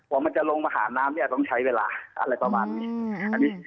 ว่ามันจะลงมาหาน้ำเนี่ยต้องใช้เวลาอะไรประมาณนี้